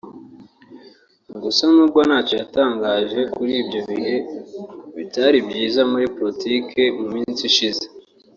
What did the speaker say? Gusa n’ubwo ntacyo yatangaje kuri ibyo bihe bitari byiza muri politiki mu minsi ishize